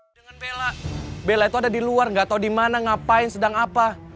dengan bella bella itu ada di luar gak tau di mana ngapain sedang apa